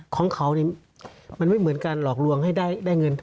ของเขานี่มันไม่เหมือนการหลอกลวงให้ได้เงิน